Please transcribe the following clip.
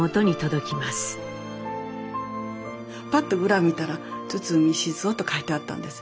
パッと裏を見たら堤雄と書いてあったんです。